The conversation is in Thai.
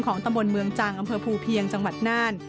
ตำบลเมืองจังอำเภอภูเพียงจังหวัดน่าน